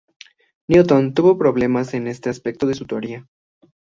Newton tuvo problemas en este aspecto de su teoría.